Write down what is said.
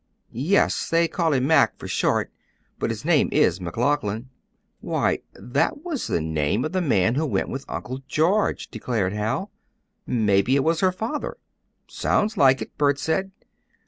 "Yes; they call him Mack for short, but his name is McLaughlin." "Why, that was the name of the man who went with Uncle George!" declared Hal. "Maybe it was her father." "Sounds like it," Bert said.